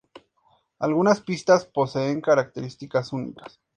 Algunas pistas poseen características únicas.